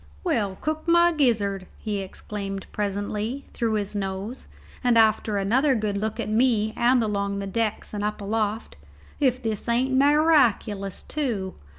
"Well, cook my gizzard," he exclaimed presently, through his nose, and after another good look at me and along the decks and up aloft, "if this ain't mi raculous, tew.